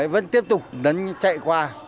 vẫn tiếp tục chạy qua